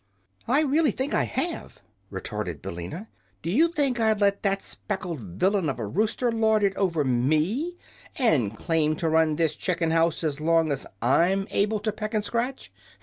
"I really think I have," retorted Billina. "Do you think I'd let that speckled villain of a rooster lord it over ME, and claim to run this chicken house, as long as I'm able to peck and scratch?